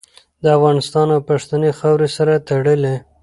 د افغانستان او پښتنې خاورې سره تړلې